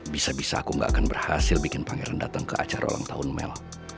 bisa bisa aku gak akan berhasil bikin pangeran datang ke acara ulang tahun mel